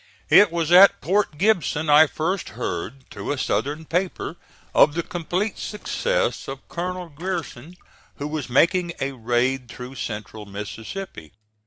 It was at Port Gibson I first heard through a Southern paper of the complete success of Colonel Grierson, who was making a raid through central Mississippi.